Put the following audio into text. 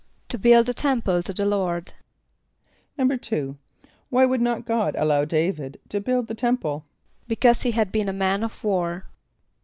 =To build a temple to the Lord.= =2.= Why would not God allow D[=a]´vid to build the temple? =Because he had been a man of war.